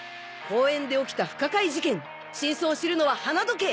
公園で起きた不可解事件真相を知るのは花時計！